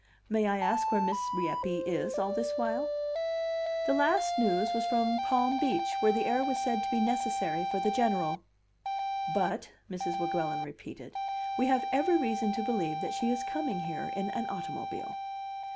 "May I ask where Miss Rieppe is all this while?" "The last news was from Palm Beach, where the air was said to be necessary for the General." "But," Mrs. Weguelin repeated, "we have every reason to believe that she is coming here in an automobile."